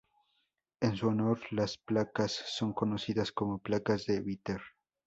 En su honor las placas son conocidas como "placas de Bitter".